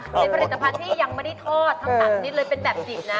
เป็นผลิตภัณฑ์ที่ยังไม่ได้ทอดทั้ง๓ชนิดเลยเป็นแบบจีบนะ